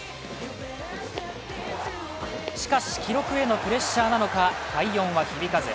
しかし、記録へのプレッシャーなのか快音は響かず。